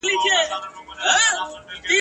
د غوا مېښي په څېر د خلګو په شته کي وشمېرل سوه